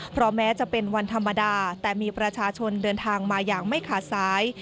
เพราะแม้จะเป็นวันธรรมดาแต่มีประชาชนเดินทางมาอย่างไม่ขาดสาย